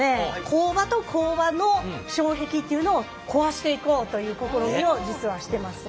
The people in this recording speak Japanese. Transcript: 工場と工場の障壁っていうのを壊していこうという試みを実はしてます。